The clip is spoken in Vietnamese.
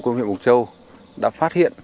công huyện bục châu đã phát hiện